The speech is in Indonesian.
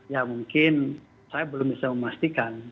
ya mungkin saya belum bisa memastikan